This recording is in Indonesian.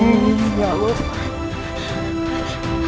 amin ya allah